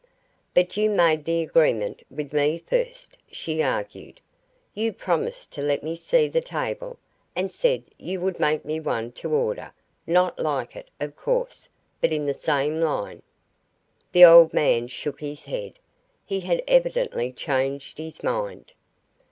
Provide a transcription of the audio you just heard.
"But you made the agreement with me first," she argued. "You promised to let me see the table, and said you would make me one to order, not like it, of course, but in the same line." The old man shook his head. He had evidently changed his mind.